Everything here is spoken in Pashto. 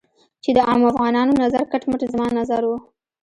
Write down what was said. چې د عامو افغانانو نظر کټ مټ زما نظر و.